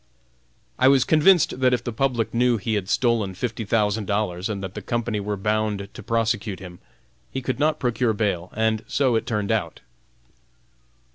I was convinced that if the public knew he had stolen fifty thousand dollars and that the company were bound to prosecute him, he could not procure bail, and so it turned out.